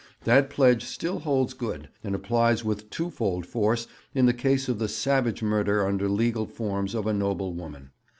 That pledge still holds good, and applies with twofold force in the case of the savage murder under legal forms of a noble woman.